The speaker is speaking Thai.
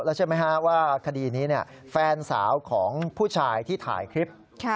แล้วใช่ไหมฮะว่าคดีนี้แฟนสาวของผู้ชายที่ถ่ายคลิป